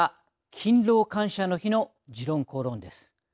勤労感謝の日の「時論公論」です。